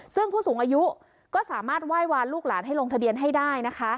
ซึ่งผู้สูงอายุก็สามารถไหว้วานลูกหลานให้ลงทะเบียนให้ได้นะคะ